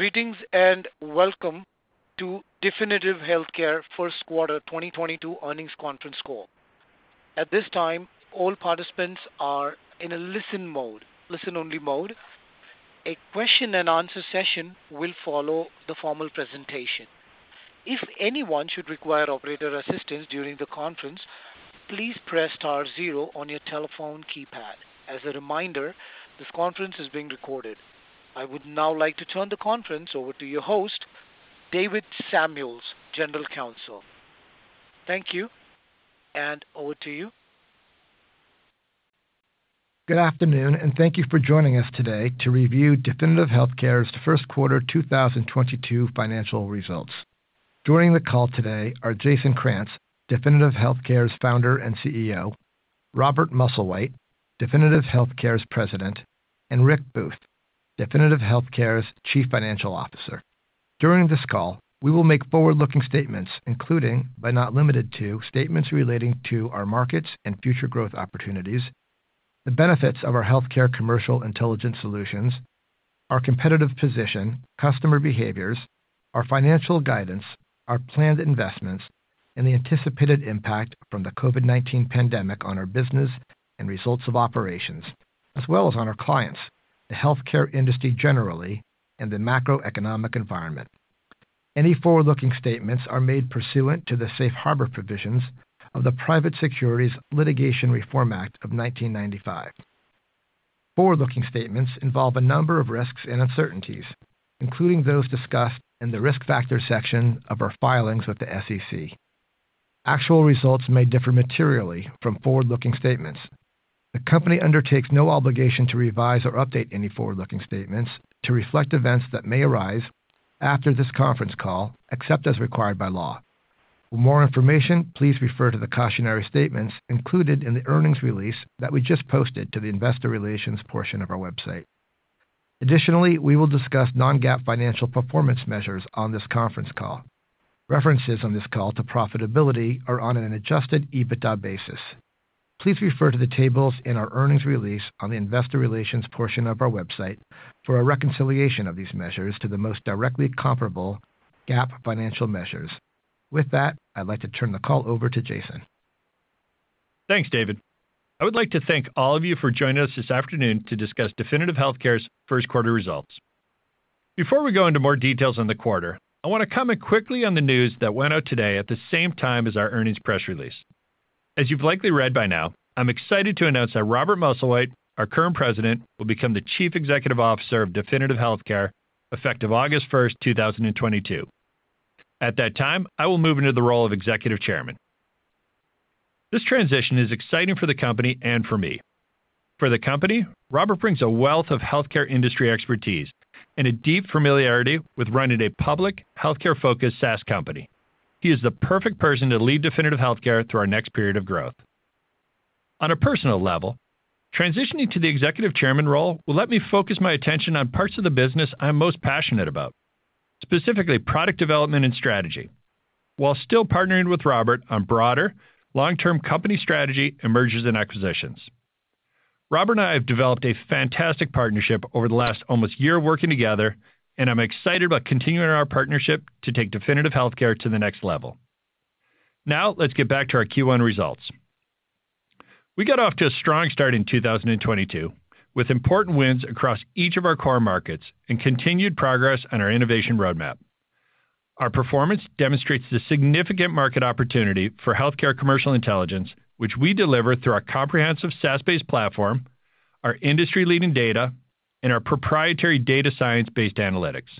Greetings and welcome to Definitive Healthcare first quarter 2022 earnings conference call. At this time, all participants are in a listen-only mode. A question-and-answer session will follow the formal presentation. If anyone should require operator assistance during the conference, please press star zero on your telephone keypad. As a reminder, this conference is being recorded. I would now like to turn the conference over to your host, David Samuels, General Counsel. Thank you and over to you. Good afternoon, and thank you for joining us today to review Definitive Healthcare's first quarter 2022 financial results. Joining the call today are Jason Krantz, Definitive Healthcare's Founder and CEO, Robert Musslewhite, Definitive Healthcare's President, and Rick Booth, Definitive Healthcare's Chief Financial Officer. During this call, we will make forward-looking statements, including, but not limited to, statements relating to our markets and future growth opportunities, the benefits of our healthcare commercial intelligence solutions, our competitive position, customer behaviors, our financial guidance, our planned investments, and the anticipated impact from the COVID-19 pandemic on our business and results of operations as well as on our clients, the healthcare industry generally, and the macroeconomic environment. Any forward-looking statements are made pursuant to the Safe Harbor Provisions of the Private Securities Litigation Reform Act of 1995. Forward-looking statements involve a number of risks and uncertainties, including those discussed in the Risk Factors section of our filings with the SEC. Actual results may differ materially from forward-looking statements. The company undertakes no obligation to revise or update any forward-looking statements to reflect events that may arise after this conference call, except as required by law. For more information, please refer to the cautionary statements included in the earnings release that we just posted to the investor relations portion of our website. Additionally, we will discuss non-GAAP financial performance measures on this conference call. References on this call to profitability are on an adjusted EBITDA basis. Please refer to the tables in our earnings release on the investor relations portion of our website for a reconciliation of these measures to the most directly comparable GAAP financial measures. With that, I'd like to turn the call over to Jason. Thanks, David. I would like to thank all of you for joining us this afternoon to discuss Definitive Healthcare's first quarter results. Before we go into more details on the quarter, I wanna comment quickly on the news that went out today at the same time as our earnings press release. As you've likely read by now, I'm excited to announce that Robert Musslewhite, our current president, will become the Chief Executive Officer of Definitive Healthcare effective August 1st, 2022. At that time, I will move into the role of Executive Chairman. This transition is exciting for the company and for me. For the company, Robert brings a wealth of healthcare industry expertise and a deep familiarity with running a public healthcare-focused SaaS company. He is the perfect person to lead Definitive Healthcare through our next period of growth. On a personal level, transitioning to the Executive Chairman role will let me focus my attention on parts of the business I'm most passionate about, specifically product development and strategy, while still partnering with Robert on broader long-term company strategy and mergers and acquisitions. Robert and I have developed a fantastic partnership over the last almost a year of working together, and I'm excited about continuing our partnership to take Definitive Healthcare to the next level. Now let's get back to our Q1 results. We got off to a strong start in 2022 with important wins across each of our core markets and continued progress on our innovation roadmap. Our performance demonstrates the significant market opportunity for healthcare commercial intelligence, which we deliver through our comprehensive SaaS-based platform, our industry-leading data, and our proprietary data science-based analytics.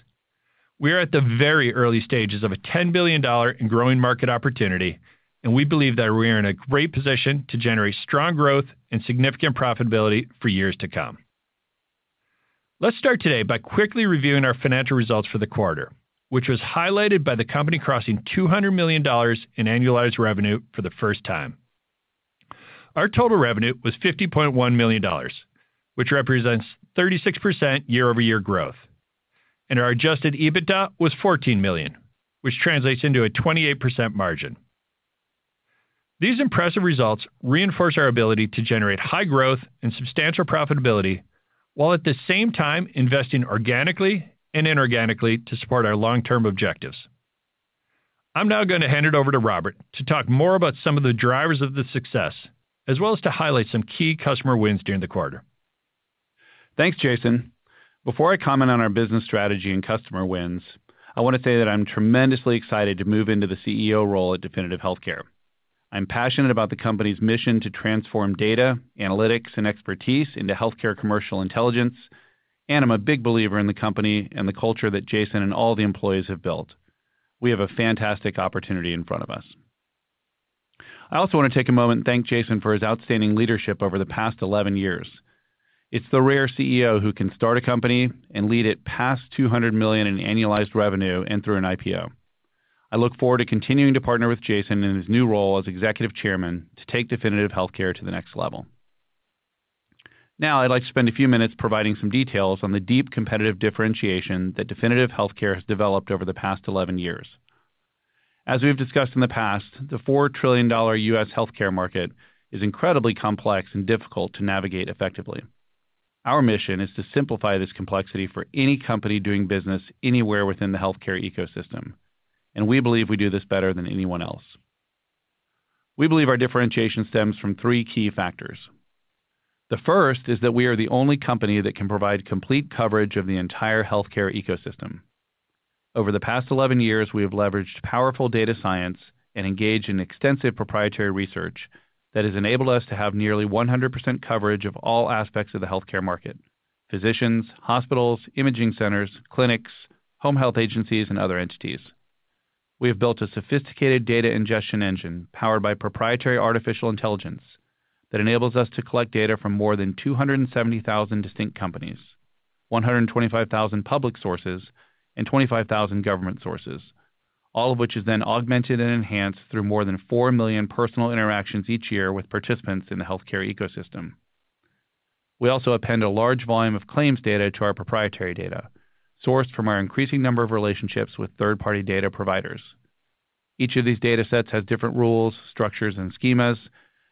We are at the very early stages of a $10 billion and growing market opportunity, and we believe that we are in a great position to generate strong growth and significant profitability for years to come. Let's start today by quickly reviewing our financial results for the quarter, which was highlighted by the company crossing $200 million in annualized revenue for the first time. Our total revenue was $50.1 million, which represents 36% year-over-year growth. Our Adjusted EBITDA was $14 million, which translates into a 28% margin. These impressive results reinforce our ability to generate high growth and substantial profitability while at the same time investing organically and inorganically to support our long-term objectives. I'm now gonna hand it over to Robert to talk more about some of the drivers of the success, as well as to highlight some key customer wins during the quarter. Thanks, Jason. Before I comment on our business strategy and customer wins, I wanna say that I'm tremendously excited to move into the CEO role at Definitive Healthcare. I'm passionate about the company's mission to transform data, analytics, and expertise into healthcare commercial intelligence, and I'm a big believer in the company and the culture that Jason and all the employees have built. We have a fantastic opportunity in front of us. I also wanna take a moment and thank Jason for his outstanding leadership over the past 11 years. It's the rare CEO who can start a company and lead it past $200 million in annualized revenue and through an IPO. I look forward to continuing to partner with Jason in his new role as Executive Chairman to take Definitive Healthcare to the next level. Now, I'd like to spend a few minutes providing some details on the deep competitive differentiation that Definitive Healthcare has developed over the past 11 years. As we've discussed in the past, the $4 trillion U.S. healthcare market is incredibly complex and difficult to navigate effectively. Our mission is to simplify this complexity for any company doing business anywhere within the healthcare ecosystem, and we believe we do this better than anyone else. We believe our differentiation stems from three key factors. The first is that we are the only company that can provide complete coverage of the entire healthcare ecosystem. Over the past 11 years, we have leveraged powerful data science and engaged in extensive proprietary research that has enabled us to have nearly 100% coverage of all aspects of the healthcare market. Physicians, hospitals, imaging centers, clinics, home health agencies, and other entities. We have built a sophisticated data ingestion engine powered by proprietary artificial intelligence that enables us to collect data from more than 270,000 distinct companies, 125,000 public sources, and 25,000 government sources, all of which is then augmented and enhanced through more than 4 million personal interactions each year with participants in the healthcare ecosystem. We also append a large volume of claims data to our proprietary data, sourced from our increasing number of relationships with third-party data providers. Each of these datasets has different rules, structures, and schemas.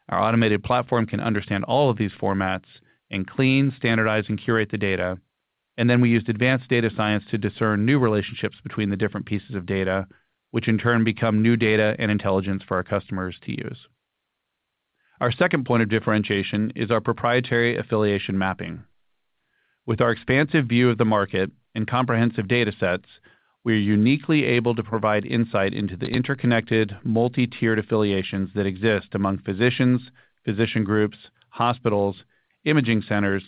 Our automated platform can understand all of these formats and clean, standardize, and curate the data, and then we use advanced data science to discern new relationships between the different pieces of data, which in turn become new data and intelligence for our customers to use. Our second point of differentiation is our proprietary affiliation mapping. With our expansive view of the market and comprehensive datasets, we're uniquely able to provide insight into the interconnected, multi-tiered affiliations that exist among physicians, physician groups, hospitals, imaging centers,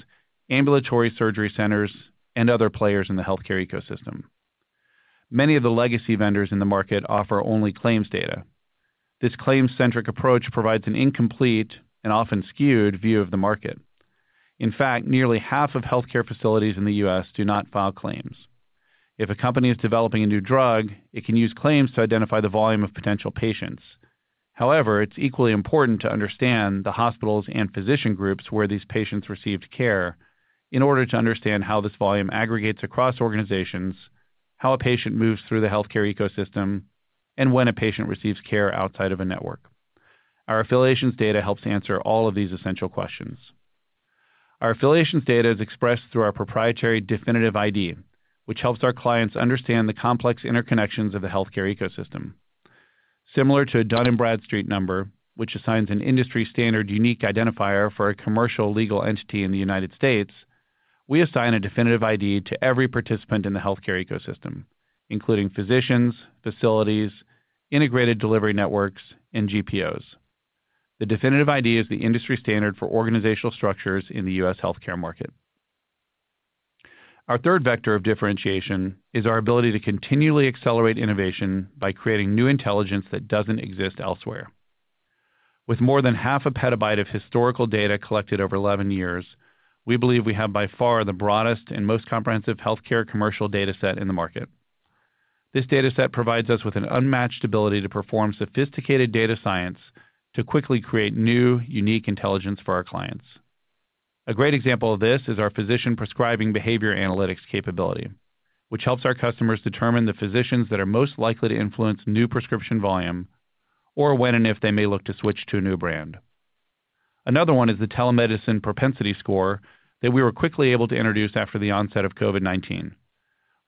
ambulatory surgery centers, and other players in the healthcare ecosystem. Many of the legacy vendors in the market offer only claims data. This claims-centric approach provides an incomplete and often skewed view of the market. In fact, nearly half of healthcare facilities in the U.S. do not file claims. If a company is developing a new drug, it can use claims to identify the volume of potential patients. However, it's equally important to understand the hospitals and physician groups where these patients received care in order to understand how this volume aggregates across organizations, how a patient moves through the healthcare ecosystem, and when a patient receives care outside of a network. Our affiliations data helps answer all of these essential questions. Our affiliations data is expressed through our proprietary Definitive ID, which helps our clients understand the complex interconnections of the healthcare ecosystem. Similar to a Dun & Bradstreet Number, which assigns an industry standard unique identifier for a commercial legal entity in the United States, we assign a Definitive ID to every participant in the healthcare ecosystem, including physicians, facilities, integrated delivery networks, and GPOs. The Definitive ID is the industry standard for organizational structures in the U.S. healthcare market. Our third vector of differentiation is our ability to continually accelerate innovation by creating new intelligence that doesn't exist elsewhere. With more than half a petabyte of historical data collected over 11 years, we believe we have by far the broadest and most comprehensive healthcare commercial dataset in the market. This dataset provides us with an unmatched ability to perform sophisticated data science to quickly create new, unique intelligence for our clients. A great example of this is our physician prescribing behavior analytics capability, which helps our customers determine the physicians that are most likely to influence new prescription volume or when and if they may look to switch to a new brand. Another one is the telemedicine propensity score that we were quickly able to introduce after the onset of COVID-19.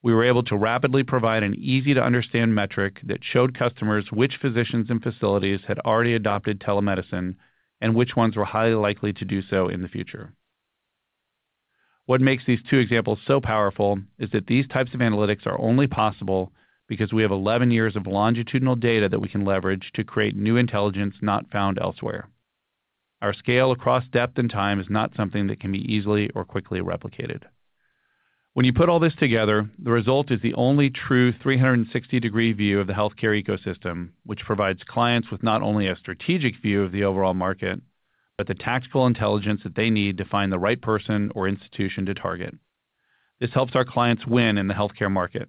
We were able to rapidly provide an easy-to-understand metric that showed customers which physicians and facilities had already adopted telemedicine and which ones were highly likely to do so in the future. What makes these two examples so powerful is that these types of analytics are only possible because we have 11 years of longitudinal data that we can leverage to create new intelligence not found elsewhere. Our scale across depth and time is not something that can be easily or quickly replicated. When you put all this together, the result is the only true 360-degree view of the healthcare ecosystem, which provides clients with not only a strategic view of the overall market, but the tactical intelligence that they need to find the right person or institution to target. This helps our clients win in the healthcare market,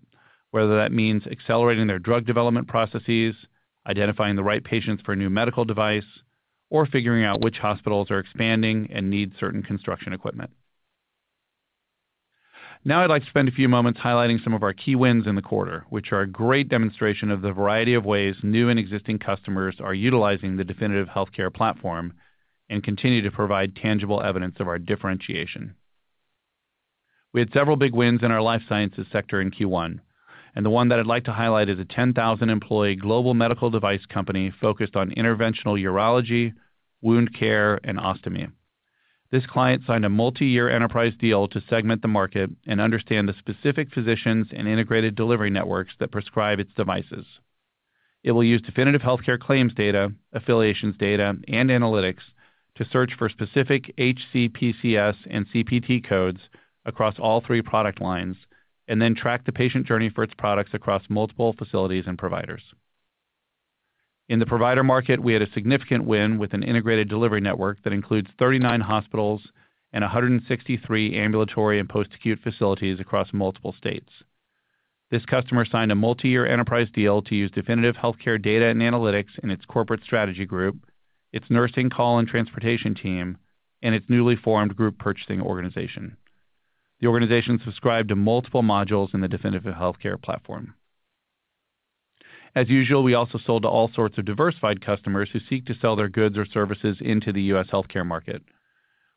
whether that means accelerating their drug development processes, identifying the right patients for a new medical device, or figuring out which hospitals are expanding and need certain construction equipment. Now I'd like to spend a few moments highlighting some of our key wins in the quarter, which are a great demonstration of the variety of ways new and existing customers are utilizing the Definitive Healthcare platform and continue to provide tangible evidence of our differentiation. We had several big wins in our life sciences sector in Q1, and the one that I'd like to highlight is a 10,000-employee global medical device company focused on interventional urology, wound care, and ostomy. This client signed a multi-year enterprise deal to segment the market and understand the specific physicians and integrated delivery networks that prescribe its devices. It will use Definitive Healthcare claims data, affiliations data, and analytics to search for specific HCPCS and CPT codes across all three product lines and then track the patient journey for its products across multiple facilities and providers. In the provider market, we had a significant win with an integrated delivery network that includes 39 hospitals and 163 ambulatory and post-acute facilities across multiple states. This customer signed a multi-year enterprise deal to use Definitive Healthcare data and analytics in its corporate strategy group, its nursing call and transportation team, and its newly formed group purchasing organization. The organization subscribed to multiple modules in the Definitive Healthcare platform. As usual, we also sold to all sorts of diversified customers who seek to sell their goods or services into the U.S. healthcare market.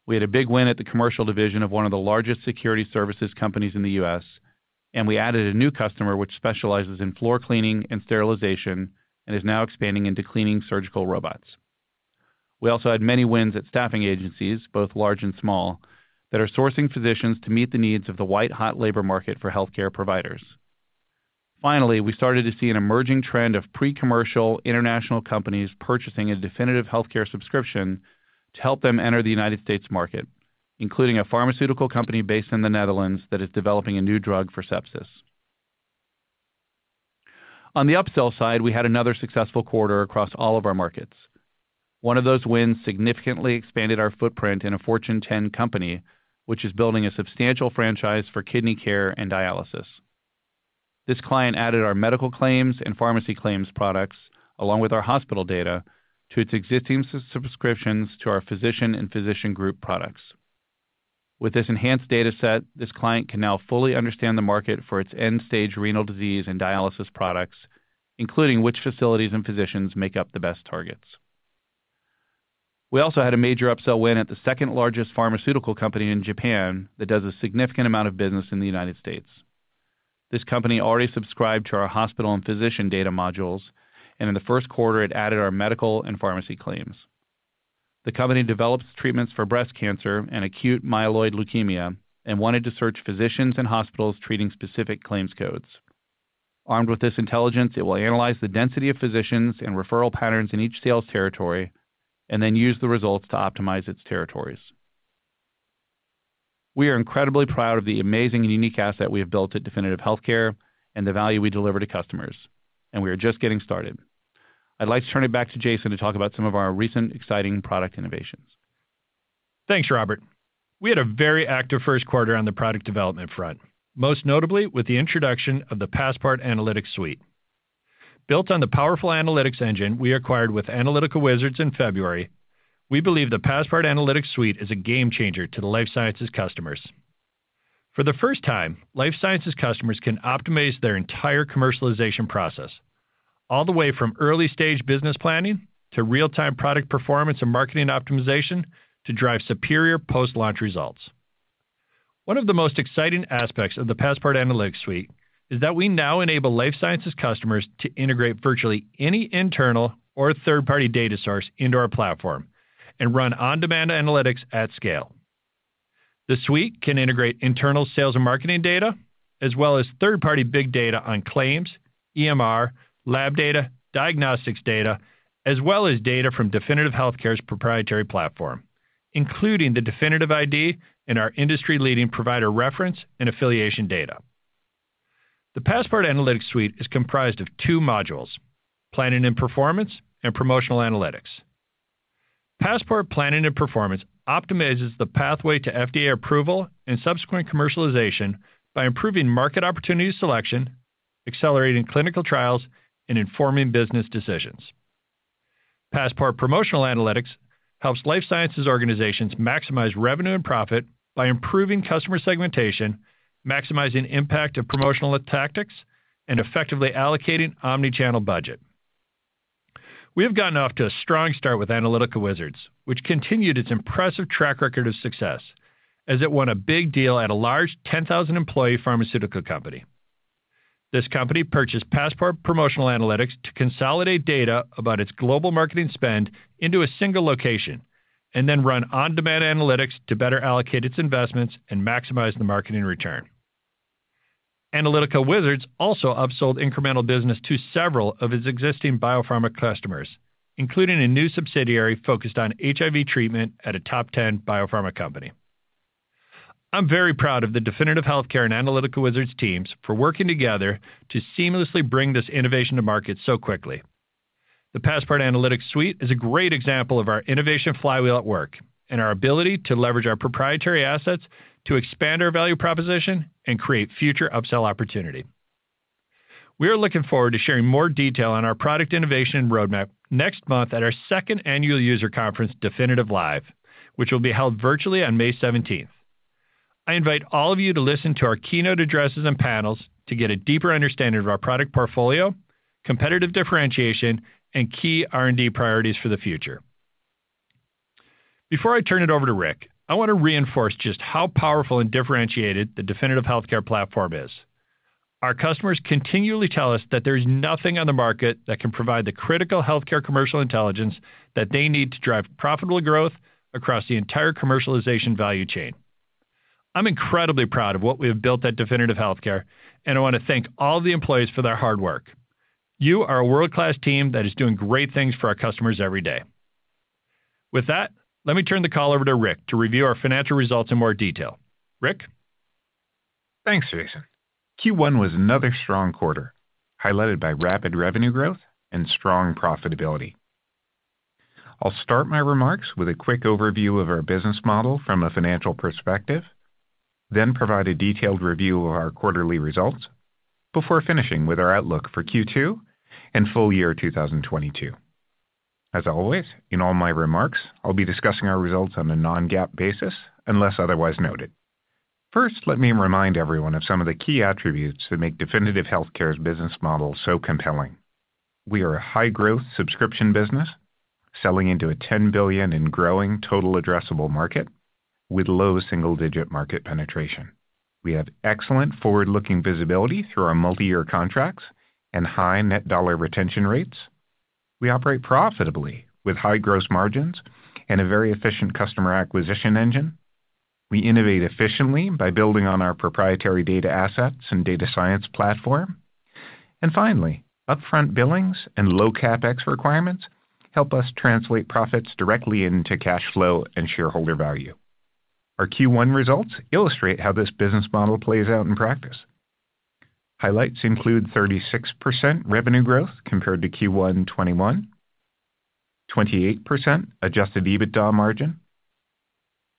We had a big win at the commercial division of one of the largest security services companies in the U.S., and we added a new customer which specializes in floor cleaning and sterilization and is now expanding into cleaning surgical robots. We also had many wins at staffing agencies, both large and small, that are sourcing physicians to meet the needs of the white hot labor market for healthcare providers. Finally, we started to see an emerging trend of pre-commercial international companies purchasing a Definitive Healthcare subscription to help them enter the United States market, including a pharmaceutical company based in the Netherlands that is developing a new drug for sepsis. On the upsell side, we had another successful quarter across all of our markets. One of those wins significantly expanded our footprint in a Fortune 10 company, which is building a substantial franchise for kidney care and dialysis. This client added our medical claims and pharmacy claims products, along with our hospital data, to its existing subscriptions to our physician and physician group products. With this enhanced data set, this client can now fully understand the market for its end-stage renal disease and dialysis products, including which facilities and physicians make up the best targets. We also had a major upsell win at the second largest pharmaceutical company in Japan that does a significant amount of business in the United States. This company already subscribed to our hospital and physician data modules, and in the first quarter it added our medical and pharmacy claims. The company develops treatments for breast cancer and acute myeloid leukemia and wanted to search physicians and hospitals treating specific claims codes. Armed with this intelligence, it will analyze the density of physicians and referral patterns in each sales territory and then use the results to optimize its territories. We are incredibly proud of the amazing and unique asset we have built at Definitive Healthcare and the value we deliver to customers, and we are just getting started. I'd like to turn it back to Jason to talk about some of our recent exciting product innovations. Thanks, Robert. We had a very active first quarter on the product development front, most notably with the introduction of the Passport Analytics Suite. Built on the powerful analytics engine we acquired with Analytical Wizards in February, we believe the Passport Analytics Suite is a game changer to the life sciences customers. For the first time, life sciences customers can optimize their entire commercialization process, all the way from early stage business planning to real-time product performance and marketing optimization to drive superior post-launch results. One of the most exciting aspects of the Passport Analytics Suite is that we now enable life sciences customers to integrate virtually any internal or third-party data source into our platform and run on-demand analytics at scale. The suite can integrate internal sales and marketing data as well as third-party big data on claims, EMR, lab data, diagnostics data, as well as data from Definitive Healthcare's proprietary platform, including the Definitive ID and our industry-leading provider reference and affiliation data. The Passport Analytics Suite is comprised of two modules, Passport Planning & Performance and Passport Promotional Analytics. Passport Planning & Performance optimizes the pathway to FDA approval and subsequent commercialization by improving market opportunity selection, accelerating clinical trials, and informing business decisions. Passport Promotional Analytics helps life sciences organizations maximize revenue and profit by improving customer segmentation, maximizing impact of promotional tactics, and effectively allocating omni-channel budget. We have gotten off to a strong start with Analytical Wizards, which continued its impressive track record of success as it won a big deal at a large 10,000-employee pharmaceutical company. This company purchased Passport Promotional Analytics to consolidate data about its global marketing spend into a single location and then run on-demand analytics to better allocate its investments and maximize the marketing return. Analytical Wizards also upsold incremental business to several of its existing biopharma customers, including a new subsidiary focused on HIV treatment at a top 10 biopharma company. I'm very proud of the Definitive Healthcare and Analytical Wizards teams for working together to seamlessly bring this innovation to market so quickly. The Passport Analytics Suite is a great example of our innovation flywheel at work and our ability to leverage our proprietary assets to expand our value proposition and create future upsell opportunity. We are looking forward to sharing more detail on our product innovation roadmap next month at our second annual user conference, Definitive LIVE!, which will be held virtually on May 17th. I invite all of you to listen to our keynote addresses and panels to get a deeper understanding of our product portfolio, competitive differentiation, and key R&D priorities for the future. Before I turn it over to Rick, I want to reinforce just how powerful and differentiated the Definitive Healthcare platform is. Our customers continually tell us that there's nothing on the market that can provide the critical healthcare commercial intelligence that they need to drive profitable growth across the entire commercialization value chain. I'm incredibly proud of what we have built at Definitive Healthcare, and I want to thank all the employees for their hard work. You are a world-class team that is doing great things for our customers every day. With that, let me turn the call over to Rick to review our financial results in more detail. Rick. Thanks, Jason. Q1 was another strong quarter, highlighted by rapid revenue growth and strong profitability. I'll start my remarks with a quick overview of our business model from a financial perspective, then provide a detailed review of our quarterly results before finishing with our outlook for Q2 and full year 2022. As always, in all my remarks, I'll be discussing our results on a non-GAAP basis unless otherwise noted. First, let me remind everyone of some of the key attributes that make Definitive Healthcare's business model so compelling. We are a high-growth subscription business selling into a $10 billion and growing total addressable market with low single-digit market penetration. We have excellent forward-looking visibility through our multi-year contracts and high net dollar retention rates. We operate profitably with high gross margins and a very efficient customer acquisition engine. We innovate efficiently by building on our proprietary data assets and data science platform. Finally, upfront billings and low CapEx requirements help us translate profits directly into cash flow and shareholder value. Our Q1 results illustrate how this business model plays out in practice. Highlights include 36% revenue growth compared to Q1 2021, 28% Adjusted EBITDA margin,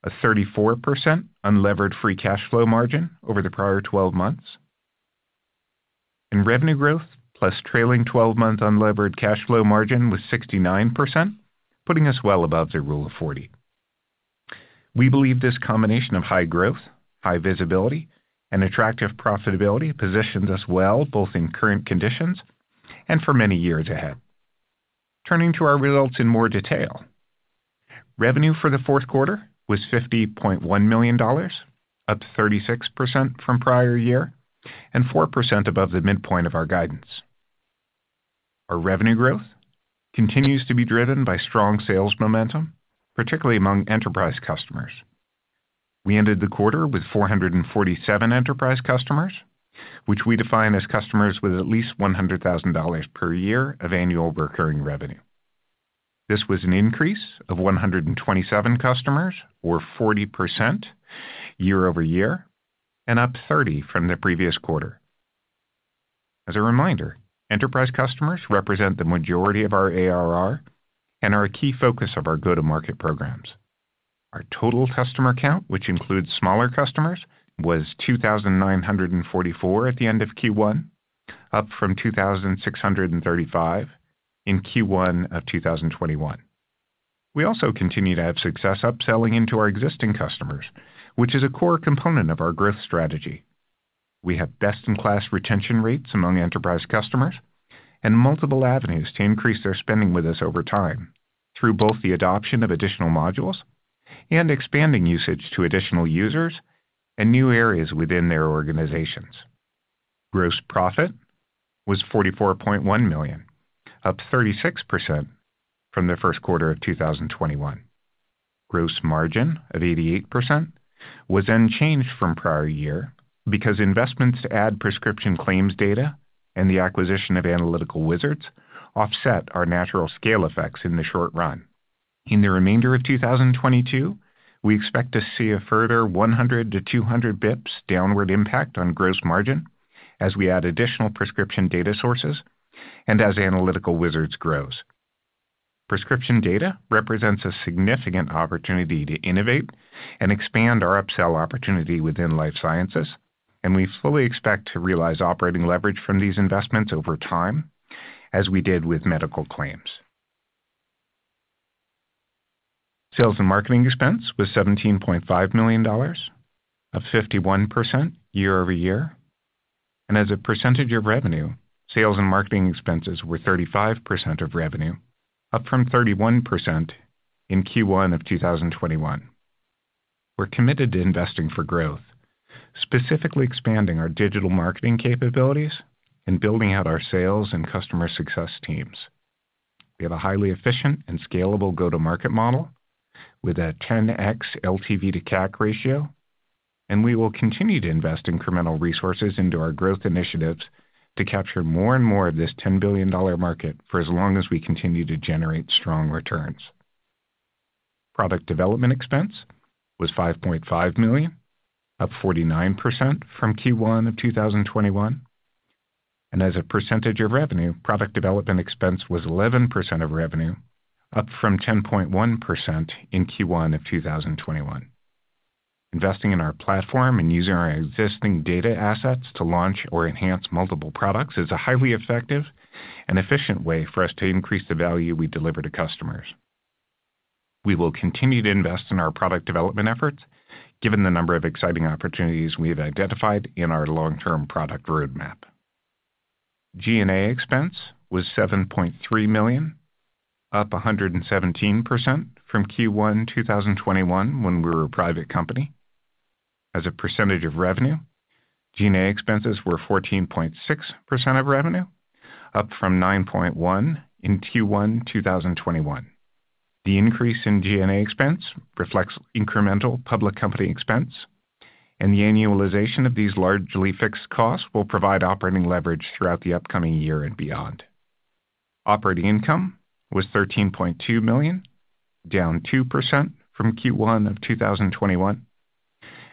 a 34% unlevered free cash flow margin over the prior 12 months, and revenue growth plus trailing 12 month unlevered cash flow margin was 69%, putting us well above the rule of 40. We believe this combination of high growth, high visibility, and attractive profitability positions us well both in current conditions and for many years ahead. Turning to our results in more detail. Revenue for the fourth quarter was $50.1 million, up 36% from prior year and 4% above the midpoint of our guidance. Our revenue growth continues to be driven by strong sales momentum, particularly among enterprise customers. We ended the quarter with 447 enterprise customers, which we define as customers with at least $100,000 per year of annual recurring revenue. This was an increase of 127 customers, or 40% year-over-year, and up 30 from the previous quarter. As a reminder, enterprise customers represent the majority of our ARR and are a key focus of our go-to-market programs. Our total customer count, which includes smaller customers, was 2,944 at the end of Q1, up from 2,635 in Q1 of 2021. We also continue to have success upselling into our existing customers, which is a core component of our growth strategy. We have best-in-class retention rates among enterprise customers and multiple avenues to increase their spending with us over time through both the adoption of additional modules and expanding usage to additional users and new areas within their organizations. Gross profit was $44.1 million, up 36% from the first quarter of 2021. Gross margin of 88% was unchanged from prior year because investments to add prescription claims data and the acquisition of Analytical Wizards offset our natural scale effects in the short run. In the remainder of 2022, we expect to see a further 100-200 basis points downward impact on gross margin as we add additional prescription data sources and as Analytical Wizards grows. Prescription data represents a significant opportunity to innovate and expand our upsell opportunity within life sciences, and we fully expect to realize operating leverage from these investments over time, as we did with medical claims. Sales and marketing expense was $17.5 million, up 51% year-over-year. As a percentage of revenue, sales and marketing expenses were 35% of revenue, up from 31% in Q1 of 2021. We're committed to investing for growth, specifically expanding our digital marketing capabilities and building out our sales and customer success teams. We have a highly efficient and scalable go-to-market model with a 10x LTV to CAC ratio, and we will continue to invest incremental resources into our growth initiatives to capture more and more of this $10 billion market for as long as we continue to generate strong returns. Product development expense was $5.5 million, up 49% from Q1 of 2021. As a percentage of revenue, product development expense was 11% of revenue, up from 10.1% in Q1 of 2021. Investing in our platform and using our existing data assets to launch or enhance multiple products is a highly effective and efficient way for us to increase the value we deliver to customers. We will continue to invest in our product development efforts given the number of exciting opportunities we have identified in our long-term product roadmap. G&A expense was $7.3 million, up 117% from Q1 2021 when we were a private company. As a percentage of revenue, G&A expenses were 14.6% of revenue, up from 9.1% in Q1 2021. The increase in G&A expense reflects incremental public company expense, and the annualization of these largely fixed costs will provide operating leverage throughout the upcoming year and beyond. Operating income was $13.2 million, down 2% from Q1 2021.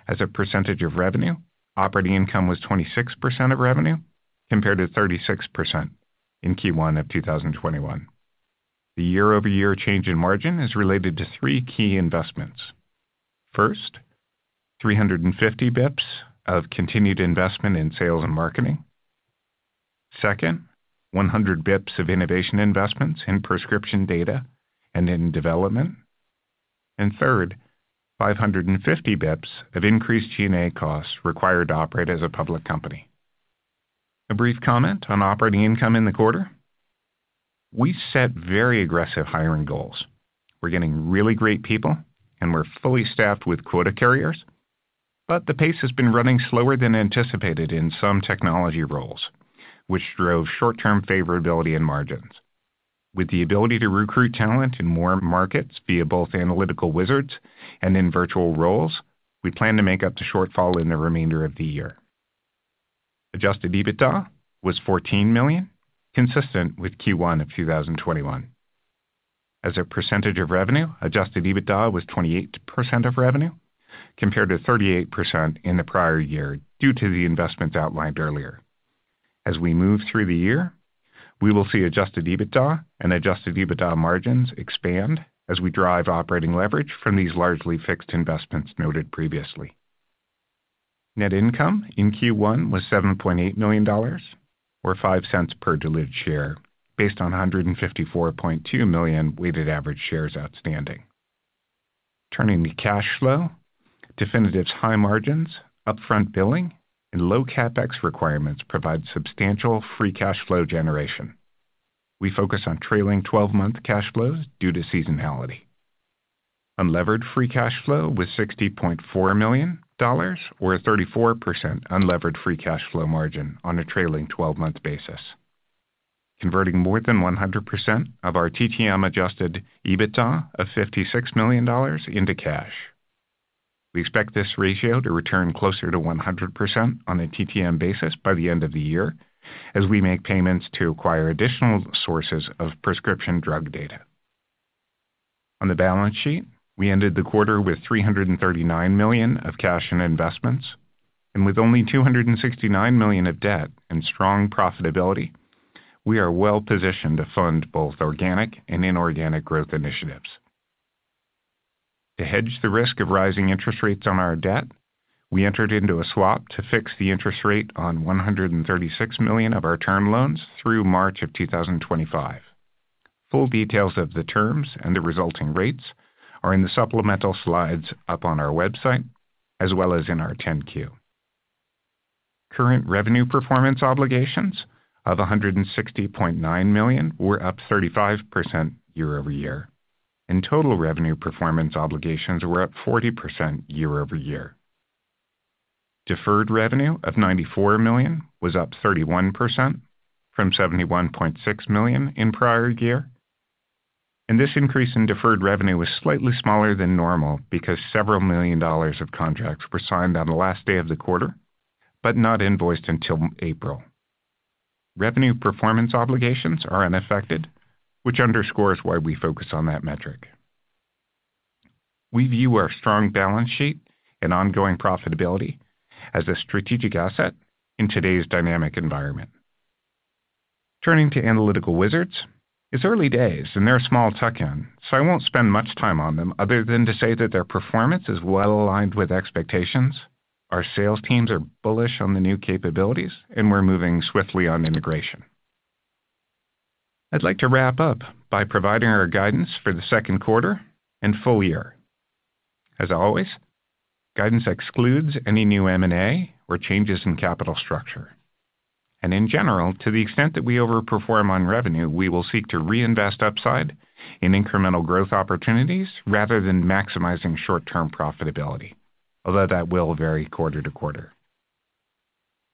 As a percentage of revenue, operating income was 26% of revenue, compared to 36% in Q1 of 2021. The year-over-year change in margin is related to three key investments. First, 350 basis points of continued investment in sales and marketing. Second, 100 basis points of innovation investments in prescription data and in development. Third, 550 basis points of increased G&A costs required to operate as a public company. A brief comment on operating income in the quarter. We set very aggressive hiring goals. We're getting really great people, and we're fully staffed with quota carriers, but the pace has been running slower than anticipated in some technology roles, which drove short-term favorability and margins. With the ability to recruit talent in more markets via both Analytical Wizards and in virtual roles, we plan to make up the shortfall in the remainder of the year. Adjusted EBITDA was $14 million, consistent with Q1 of 2021. As a percentage of revenue, Adjusted EBITDA was 28% of revenue, compared to 38% in the prior year, due to the investments outlined earlier. As we move through the year, we will see Adjusted EBITDA and Adjusted EBITDA margins expand as we drive operating leverage from these largely fixed investments noted previously. Net income in Q1 was $7.8 million or $0.05 per diluted share based on 154.2 million weighted average shares outstanding. Turning to cash flow. Definitive's high margins, upfront billing, and low CapEx requirements provide substantial free cash flow generation. We focus on trailing 12 month cash flows due to seasonality. Unlevered free cash flow was $60.4 million or a 34% unlevered free cash flow margin on a trailing 12 month basis, converting more than 100% of our TTM Adjusted EBITDA of $56 million into cash. We expect this ratio to return closer to 100% on a TTM basis by the end of the year as we make payments to acquire additional sources of prescription drug data. On the balance sheet, we ended the quarter with $339 million of cash and investments, and with only $269 million of debt and strong profitability, we are well positioned to fund both organic and inorganic growth initiatives. To hedge the risk of rising interest rates on our debt, we entered into a swap to fix the interest rate on $136 million of our term loans through March 2025. Full details of the terms and the resulting rates are in the supplemental slides up on our website as well as in our 10-Q. Current revenue performance obligations of $160.9 million were up 35% year-over-year, and total revenue performance obligations were up 40% year-over-year. Deferred revenue of $94 million was up 31% from $71.6 million in prior year. This increase in deferred revenue was slightly smaller than normal because several million dollars of contracts were signed on the last day of the quarter, but not invoiced until April. Revenue performance obligations are unaffected, which underscores why we focus on that metric. We view our strong balance sheet and ongoing profitability as a strategic asset in today's dynamic environment. Turning to Analytical Wizards. It's early days and they're a small tuck-in, so I won't spend much time on them other than to say that their performance is well aligned with expectations. Our sales teams are bullish on the new capabilities and we're moving swiftly on integration. I'd like to wrap up by providing our guidance for the second quarter and full year. As always, guidance excludes any new M&A or changes in capital structure. In general, to the extent that we overperform on revenue, we will seek to reinvest upside in incremental growth opportunities rather than maximizing short-term profitability. Although that will vary quarter to quarter.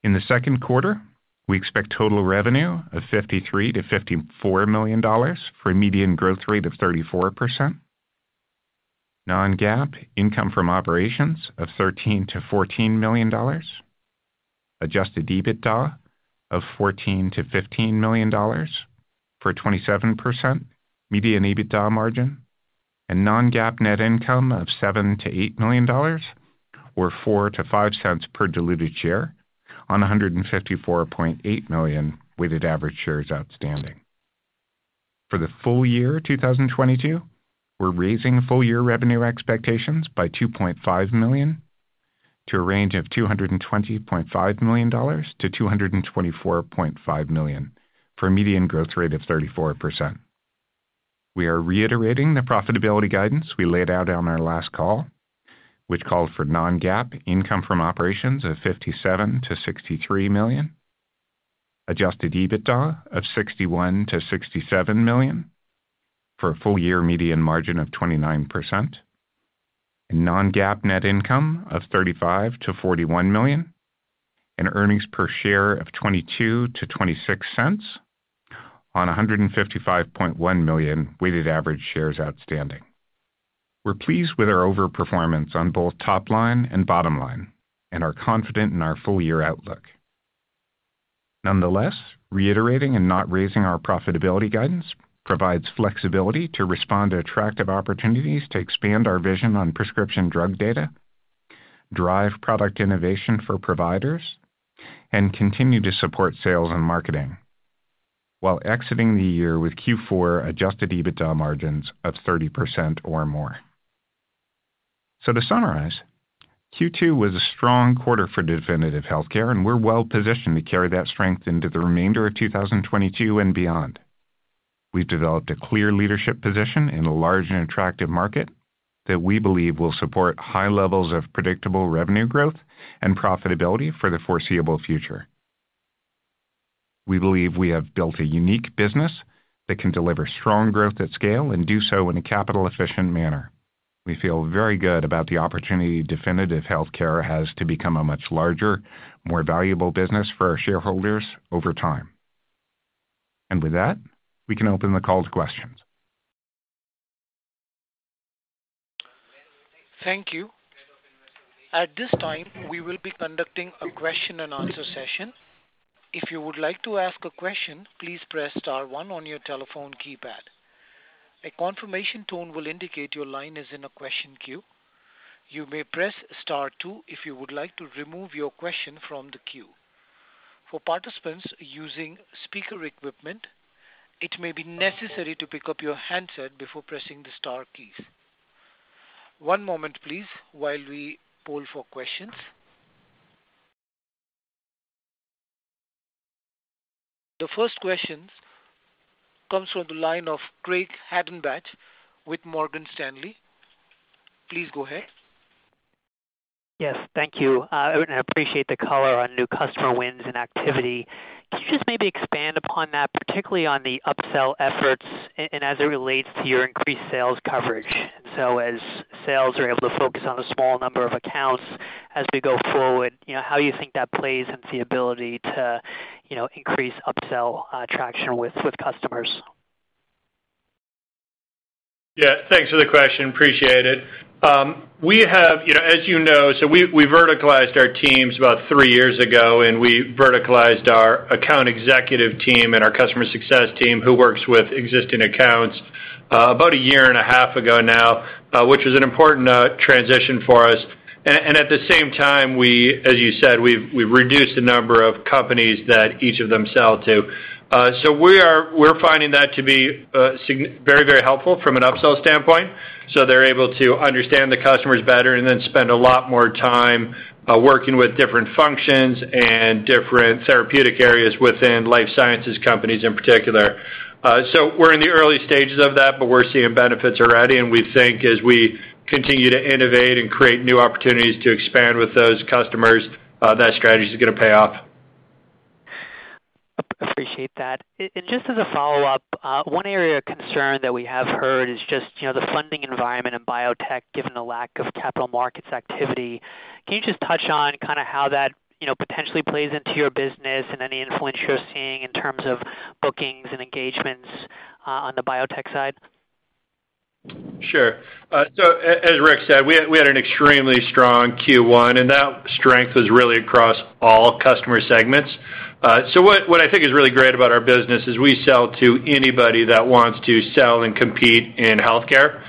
In the second quarter, we expect total revenue of $53 million-$54 million for a median growth rate of 34%. Non-GAAP income from operations of $13 million-$14 million. Adjusted EBITDA of $14 million-$15 million for a 27% median EBITDA margin. Non-GAAP net income of $7 million-$8 million or $0.04-$0.05 per diluted share on a 154.8 million weighted average shares outstanding. For the full year 2022, we're raising full year revenue expectations by $2.5 million to a range of $220.5 million-$224.5 million for a median growth rate of 34%. We are reiterating the profitability guidance we laid out on our last call, which called for non-GAAP income from operations of $57 million-$63 million. Adjusted EBITDA of $61-$67 million for a full year median margin of 29%. Non-GAAP net income of $35-$41 million. Earnings per share of $0.22-$0.26 on a 155.1 million weighted average shares outstanding. We're pleased with our overperformance on both top line and bottom line and are confident in our full year outlook. Nonetheless, reiterating and not raising our profitability guidance provides flexibility to respond to attractive opportunities to expand our vision on prescription drug data, drive product innovation for providers, and continue to support sales and marketing while exiting the year with Q4 Adjusted EBITDA margins of 30% or more. To summarize, Q2 was a strong quarter for Definitive Healthcare, and we're well positioned to carry that strength into the remainder of 2022 and beyond. We've developed a clear leadership position in a large and attractive market that we believe will support high levels of predictable revenue growth and profitability for the foreseeable future. We believe we have built a unique business that can deliver strong growth at scale and do so in a capital efficient manner. We feel very good about the opportunity Definitive Healthcare has to become a much larger, more valuable business for our shareholders over time. With that, we can open the call to questions. Thank you. At this time, we will be conducting a question-and-answer session. If you would like to ask a question, please press star one on your telephone keypad. A confirmation tone will indicate your line is in a question queue. You may press star two if you would like to remove your question from the queue. For participants using speaker equipment, it may be necessary to pick up your handset before pressing the star keys. One moment please while we poll for questions. The first question comes from the line of Craig Hettenbach with Morgan Stanley. Please go ahead. Yes, thank you. I appreciate the color on new customer wins and activity. Can you just maybe expand upon that, particularly on the upsell efforts and as it relates to your increased sales coverage? As sales are able to focus on a small number of accounts as we go forward, you know, how you think that plays into the ability to, you know, increase upsell traction with customers. Yeah. Thanks for the question. Appreciate it. We have, you know, as you know, so we verticalized our teams about three years ago, and we verticalized our account executive team and our customer success team who works with existing accounts about a year and a half ago now, which was an important transition for us. At the same time, we, as you said, we've reduced the number of companies that each of them sell to. We're finding that to be very, very helpful from an upsell standpoint. They're able to understand the customers better and then spend a lot more time working with different functions and different therapeutic areas within life sciences companies in particular. We're in the early stages of that, but we're seeing benefits already. We think as we continue to innovate and create new opportunities to expand with those customers, that strategy is gonna pay off. Appreciate that. Just as a follow-up, one area of concern that we have heard is just, you know, the funding environment in biotech, given the lack of capital markets activity. Can you just touch on kinda how that, you know, potentially plays into your business and any influence you're seeing in terms of bookings and engagements, on the biotech side? Sure. As Rick said, we had an extremely strong Q1, and that strength was really across all customer segments. What I think is really great about our business is we sell to anybody that wants to sell and compete in healthcare.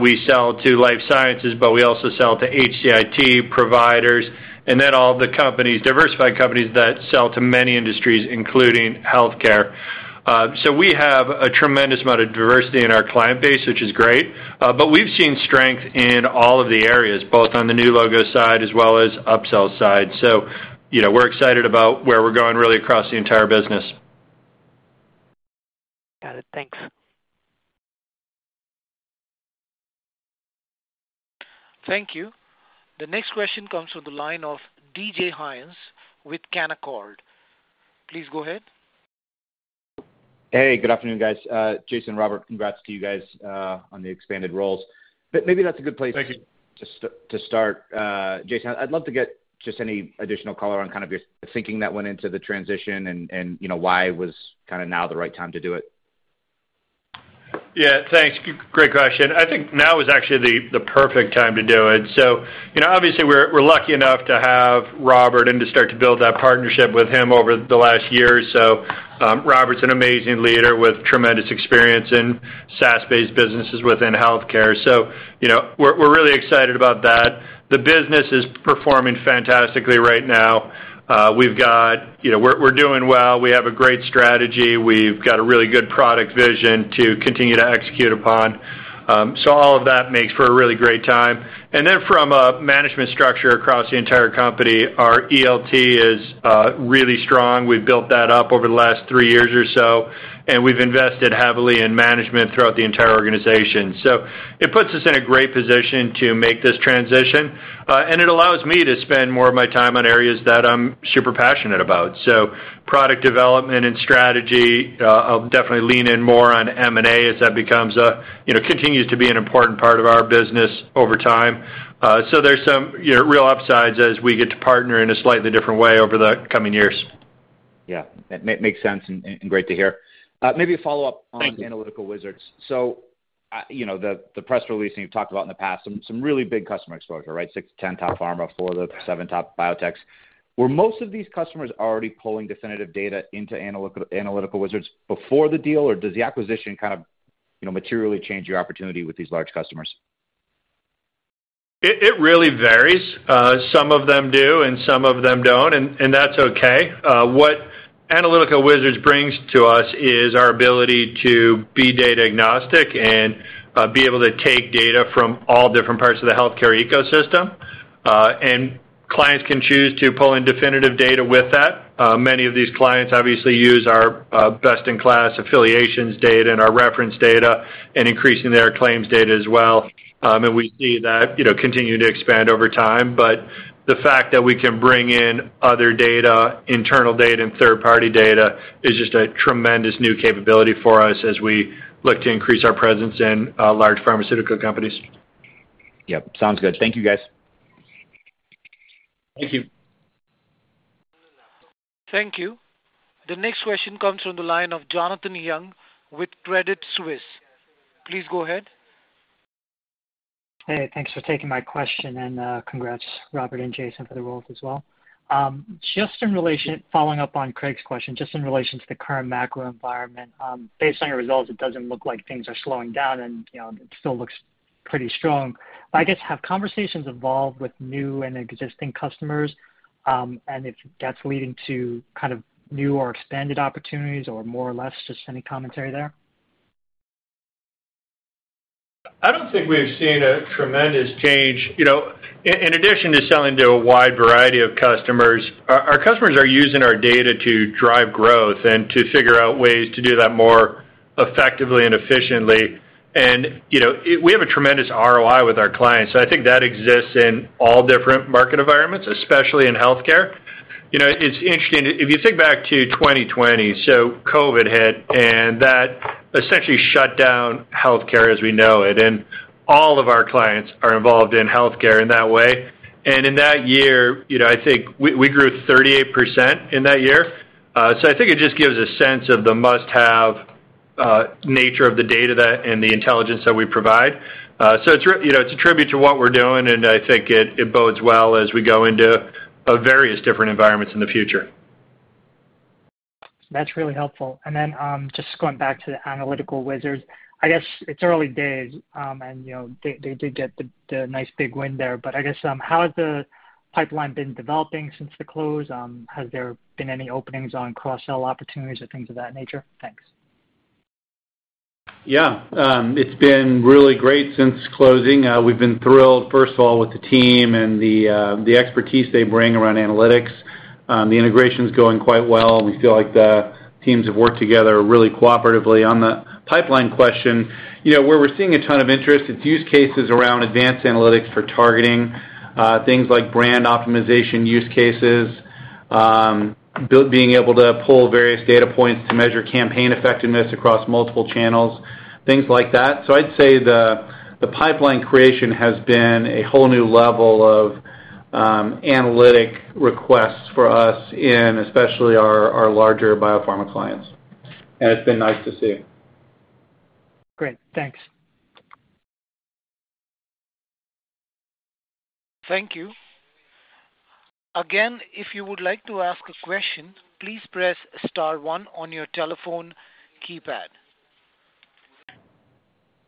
We sell to life sciences, but we also sell to HCIT providers and then all the companies, diversified companies that sell to many industries, including healthcare. We have a tremendous amount of diversity in our client base, which is great. We've seen strength in all of the areas, both on the new logo side as well as upsell side. You know, we're excited about where we're going really across the entire business. Got it. Thanks. Thank you. The next question comes from the line of David Hynes with Canaccord. Please go ahead. Hey, good afternoon, guys. Jason, Robert, congrats to you guys on the expanded roles. Maybe that's a good place. Thank you. To start. Jason, I'd love to get just any additional color on kind of your thinking that went into the transition and, you know, why was kinda now the right time to do it. Yeah. Thanks. Great question. I think now is actually the perfect time to do it. You know, obviously we're lucky enough to have Robert and to start to build that partnership with him over the last year or so. Robert's an amazing leader with tremendous experience in SaaS-based businesses within healthcare. You know, we're really excited about that. The business is performing fantastically right now. You know, we're doing well. We have a great strategy. We've got a really good product vision to continue to execute upon. All of that makes for a really great time. From a management structure across the entire company, our ELT is really strong. We've built that up over the last three years or so, and we've invested heavily in management throughout the entire organization. It puts us in a great position to make this transition, and it allows me to spend more of my time on areas that I'm super passionate about. Product development and strategy, I'll definitely lean in more on M&A as that becomes a, you know, continues to be an important part of our business over time. There's some, you know, real upsides as we get to partner in a slightly different way over the coming years. Yeah, that makes sense and great to hear. Maybe a follow-up. Thank you. on Analytical Wizards. You know, the press release and you've talked about in the past some really big customer exposure, right? four to 10 top pharma, four of the seven top biotechs. Were most of these customers already pulling Definitive data into Analytical Wizards before the deal, or does the acquisition kind of, you know, materially change your opportunity with these large customers? It really varies. Some of them do and some of them don't, and that's okay. What Analytical Wizards brings to us is our ability to be data agnostic and be able to take data from all different parts of the healthcare ecosystem. And clients can choose to pull in Definitive data with that. Many of these clients obviously use our best in class affiliations data and our reference data and increasingly their claims data as well. And we see that, you know, continuing to expand over time. The fact that we can bring in other data, internal data, and third-party data is just a tremendous new capability for us as we look to increase our presence in large pharmaceutical companies. Yep, sounds good. Thank you, guys. Thank you. Thank you. The next question comes from the line of Jailendra Singh with Credit Suisse. Please go ahead. Hey, thanks for taking my question, and congrats, Robert and Jason, for the roles as well. Just in relation, following up on Craig's question, just in relation to the current macro environment, based on your results, it doesn't look like things are slowing down and, you know, it still looks pretty strong. I guess, have conversations evolved with new and existing customers, and if that's leading to kind of new or expanded opportunities or more or less just any commentary there? I don't think we've seen a tremendous change. You know, in addition to selling to a wide variety of customers, our customers are using our data to drive growth and to figure out ways to do that more effectively and efficiently. You know, we have a tremendous ROI with our clients, so I think that exists in all different market environments, especially in healthcare. You know, it's interesting. If you think back to 2020, COVID hit, and that essentially shut down healthcare as we know it, and all of our clients are involved in healthcare in that way. In that year, you know, I think we grew 38% in that year. I think it just gives a sense of the must-have nature of the data and the intelligence that we provide. You know, it's a tribute to what we're doing, and I think it bodes well as we go into a various different environments in the future. That's really helpful. Just going back to the Analytical Wizards, I guess it's early days, and you know, they did get the nice big win there. I guess, how has the pipeline been developing since the close? Has there been any openings on cross-sell opportunities or things of that nature? Thanks. Yeah. It's been really great since closing. We've been thrilled, first of all, with the team and the expertise they bring around analytics. The integration's going quite well. We feel like the teams have worked together really cooperatively. On the pipeline question, you know, where we're seeing a ton of interest, it's use cases around advanced analytics for targeting, things like brand optimization use cases, being able to pull various data points to measure campaign effectiveness across multiple channels, things like that. I'd say the pipeline creation has been a whole new level of analytic requests for us in especially our larger biopharma clients. It's been nice to see. Great. Thanks. Thank you. Again, if you would like to ask a question, please press star one on your telephone keypad.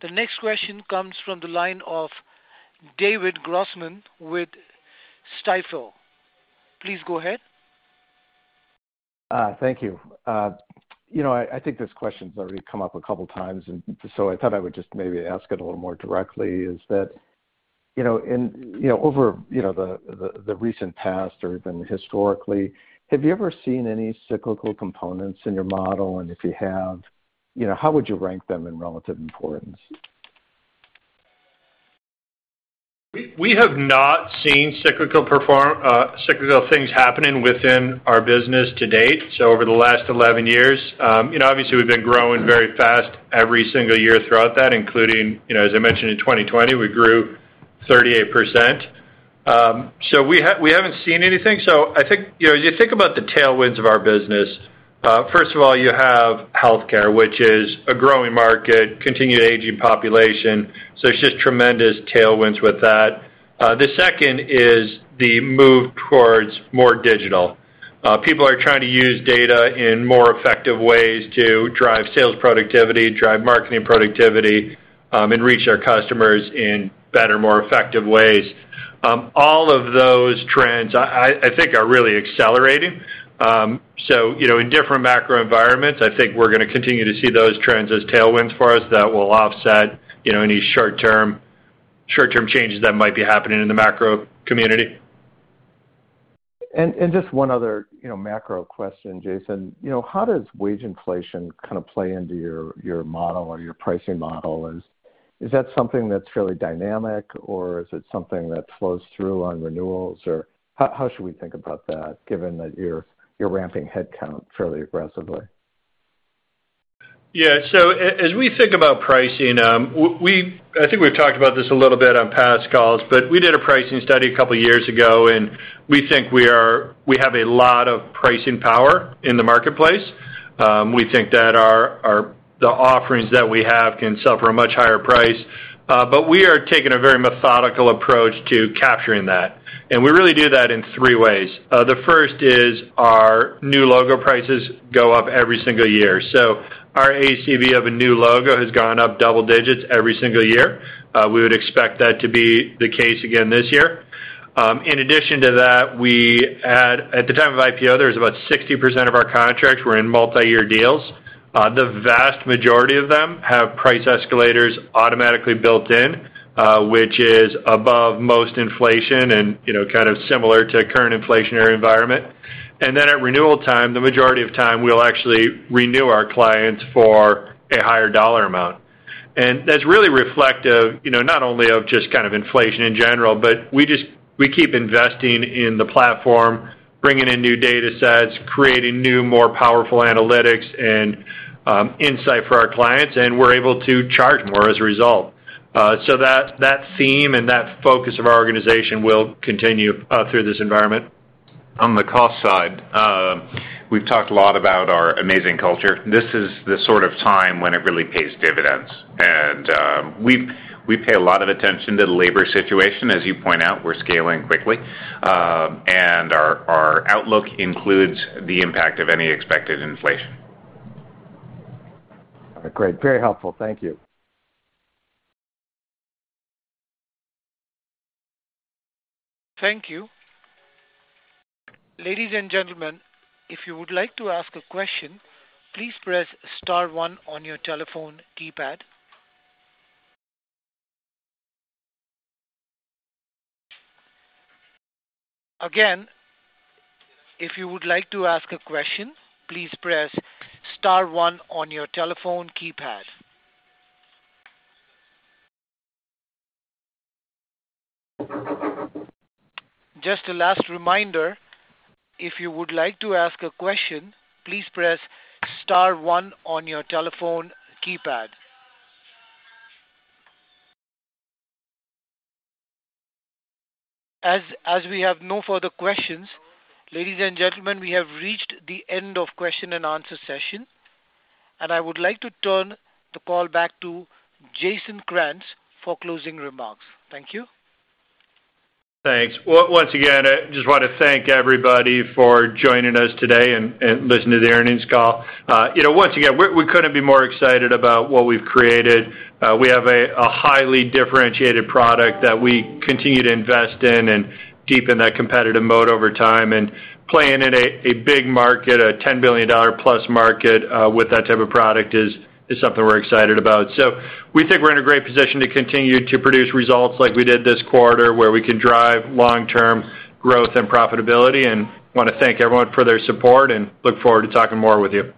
The next question comes from the line of David Grossman with Stifel. Please go ahead. Thank you. You know, I think this question's already come up a couple times and so I thought I would just maybe ask it a little more directly. You know, over you know the recent past or even historically, have you ever seen any cyclical components in your model? If you have, you know, how would you rank them in relative importance? We have not seen cyclical things happening within our business to date, so over the last 11 years. You know, obviously, we've been growing very fast every single year throughout that, including, you know, as I mentioned, in 2020, we grew 38%. So we haven't seen anything. I think, you know, you think about the tailwinds of our business. First of all, you have healthcare, which is a growing market, continued aging population, so it's just tremendous tailwinds with that. The second is the move towards more digital. People are trying to use data in more effective ways to drive sales productivity, drive marketing productivity, and reach their customers in better, more effective ways. All of those trends I think are really accelerating. You know, in different macro environments, I think we're gonna continue to see those trends as tailwinds for us that will offset, you know, any short-term changes that might be happening in the macro community. Just one other, you know, macro question, Jason. You know, how does wage inflation kind of play into your model or your pricing model? Is that something that's fairly dynamic, or is it something that flows through on renewals? Or how should we think about that given that you're ramping headcount fairly aggressively? As we think about pricing, I think we've talked about this a little bit on past calls, but we did a pricing study a couple years ago, and we think we have a lot of pricing power in the marketplace. We think that the offerings that we have can sell for a much higher price, but we are taking a very methodical approach to capturing that, and we really do that in three ways. The first is our new logo prices go up every single year. Our ACV of a new logo has gone up double digits every single year. We would expect that to be the case again this year. In addition to that, at the time of IPO, there was about 60% of our contracts were in multi-year deals. The vast majority of them have price escalators automatically built in, which is above most inflation and, you know, kind of similar to current inflationary environment. Then at renewal time, the majority of time we'll actually renew our clients for a higher dollar amount. That's really reflective, you know, not only of just kind of inflation in general, but we keep investing in the platform, bringing in new datasets, creating new, more powerful analytics and insight for our clients, and we're able to charge more as a result. That theme and that focus of our organization will continue through this environment. On the cost side, we've talked a lot about our amazing culture. This is the sort of time when it really pays dividends. We pay a lot of attention to the labor situation. As you point out, we're scaling quickly. Our outlook includes the impact of any expected inflation. Great. Very helpful. Thank you. Thank you. Ladies and gentlemen, if you would like to ask a question, please press star one on your telephone keypad. Again, if you would like to ask a question, please press star one on your telephone keypad. Just a last reminder, if you would like to ask a question, please press star one on your telephone keypad. As we have no further questions, ladies and gentlemen, we have reached the end of question and answer session, and I would like to turn the call back to Jason Krantz for closing remarks. Thank you. Thanks. Once again, I just wanna thank everybody for joining us today and listening to the earnings call. You know, once again, we couldn't be more excited about what we've created. We have a highly differentiated product that we continue to invest in and deepen that competitive moat over time. Playing in a big market, a $10 billion-plus market, with that type of product is something we're excited about. We think we're in a great position to continue to produce results like we did this quarter, where we can drive long-term growth and profitability. Wanna thank everyone for their support and look forward to talking more with you.